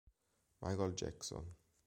Michael Jackson.